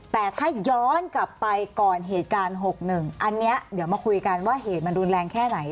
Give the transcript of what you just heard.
แต่ถ้าย้อนกลับไปก่อนเหตุการณ์๖๑อันนี้เดี๋ยวมาคุยกันว่าเหตุมันรุนแรงแค่ไหน